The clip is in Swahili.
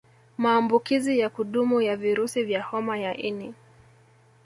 Maambukizi ya kudumu ya virusi vya Homa ya ini